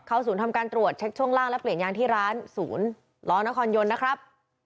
ศูนย์ทำการตรวจเช็คช่วงล่างและเปลี่ยนยางที่ร้านศูนย์ล้อนครยนต์นะครับ